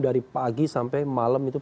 dari pagi sampai malam itu